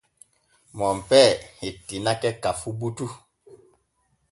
Monpee hettinake ka fu butu.